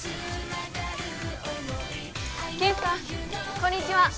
ゲンさんこんにちは。